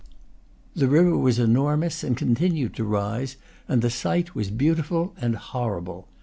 The river was enormous, and continued to rise; and the sight was beautiful and horrible.